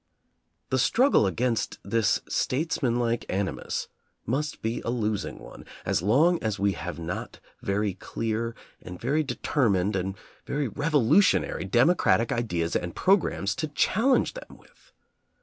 The struggle against this statesmanlike animus must be a losing one as long as we have not very clear and very de termined and very revolutionary democratic ideas and programmes to challenge them with.